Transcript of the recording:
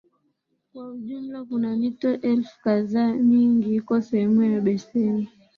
Kwa jumla kuna mito elfu kadhaa Mingi iko sehemu ya beseni